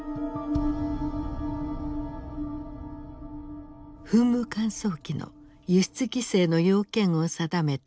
噴霧乾燥機の輸出規制の要件を定めた経産省の省令。